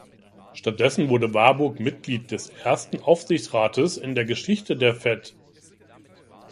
Stattdessen wurde Warburg Mitglied des ersten Aufsichtsrates in der Geschichte der Fed.